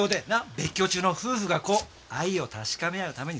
別居中の夫婦がこう愛を確かめあうためにさな？